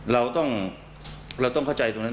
เราต้องเราต้องเข้าใจตรงนั้น